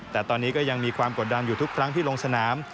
แต่ตอนนี้ก็ยังมีความกดดันอยู่ทุกครั้งที่ลงสนาม